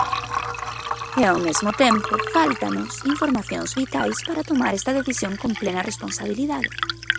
E, ao mesmo tempo, fáltannos informacións vitais para tomar esta decisión con plena responsabilidade.